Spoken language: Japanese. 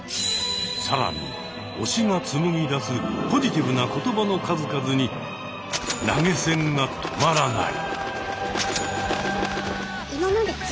更に推しが紡ぎ出すポジティブな言葉の数々に投げ銭が止まらない！